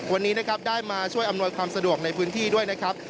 วันนี้นะครับได้มาช่วยอำนวยความสะดวกในพื้นที่ด้วยนะครับ